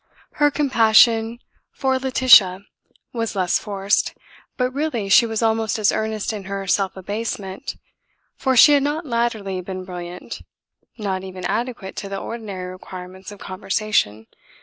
Her compassion for Laetitia was less forced, but really she was almost as earnest in her self abasement, for she had not latterly been brilliant, not even adequate to the ordinary requirements of conversation.